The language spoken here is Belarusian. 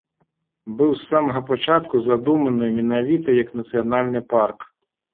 Быў з самага пачатку задуманы менавіта як нацыянальны парк.